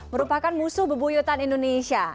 merupakan musuh bebuyutan indonesia